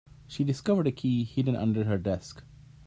She discovered a key hidden under her desk.